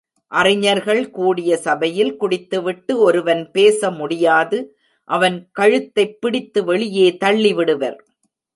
அறிஞர்கள் கூடிய சபையில் குடித்துவிட்டு ஒருவன் பேச முடியாது அவன் கழுத்தைப் பிடித்து வெளியே தள்ளி விடுவர்.